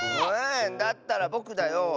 だったらぼくだよ。